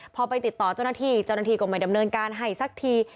พอไปติดต่อเจ้าหน้าที่เจ้าหน้าที่ก็ไม่ดำเนินการให้สักที